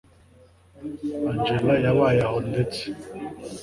angella yabaye aho ndetse